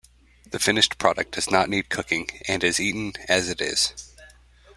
The finished product does not need cooking and is eaten as it is.